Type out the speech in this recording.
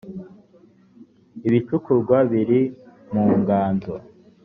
ibicukurwa biri mu nganzo